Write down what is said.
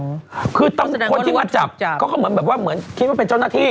คือคนที่มาจับเขาก็เหมือนคิดว่าเป็นเจ้าหน้าที่